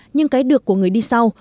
nhưng cái được của người đi sau